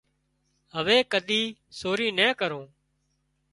هوي ڪۮي سوري نين ڪرون